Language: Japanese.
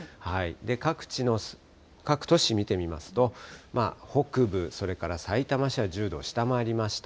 各地の、各都市見てみますと、北部、それからさいたま市は１０度を下回りました。